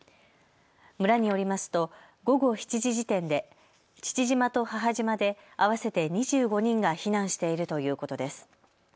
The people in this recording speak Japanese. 村によりますと午後７時時点で父島と母島で合わせて２５人が避難しているということです。